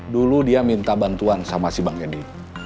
dulu dia minta bantuan sama si bang edi